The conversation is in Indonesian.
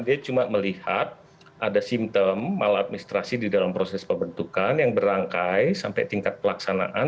dia cuma melihat ada simptom maladministrasi di dalam proses pembentukan yang berangkai sampai tingkat pelaksanaan